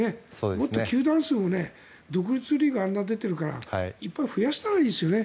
もっと球団数も独立リーグあんな出ているからもっと増やしたほうがいいですね。